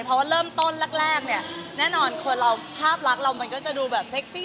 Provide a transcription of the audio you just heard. เพราะว่าเริ่มต้นแรกเนี่ยแน่นอนคนเราภาพรักเรามันก็จะดูแบบเซ็กซี่